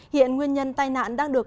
hiện nguyên nhân tai nạn đang được